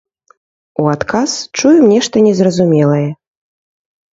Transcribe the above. У адказ чуем нешта незразумелае.